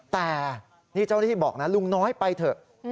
แต่นี่เจ้าหน้าที่บอกนะลุงน้อยไปเถอะ